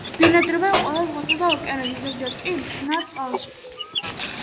ბინადრობენ ყველა ზღვასა და ოკეანეში, ზოგჯერ კი მტკნარ წყალშიც.